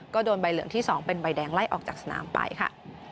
ก็โดนใบเหลืองที่๒เป็นใบแดงไล่ออกจากสนามไปค่ะ